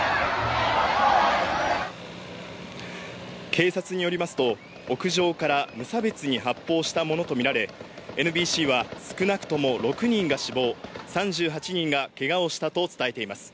警察によりますと、屋上から無差別に発砲したものとみられ、ＮＢＣは少なくとも６人が死亡、３８人がけがをしたと伝えています。